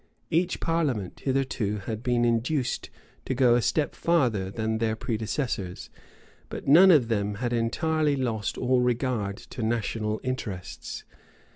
[] Each parliament hitherto had been induced to go a step farther than their predecessors; but none of them had entirely lost all regard to national interests.